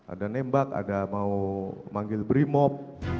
ada nembak ada mau manggil brimob